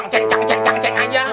ceng ceng ceng ceng ceng aja